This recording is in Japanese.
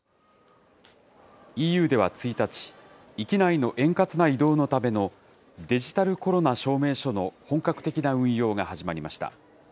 ＥＵでは１日、域内の円滑な移動のためのデジタルコロナ証明書の本格的な運用が始まりました。